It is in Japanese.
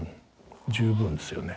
十分ですよね。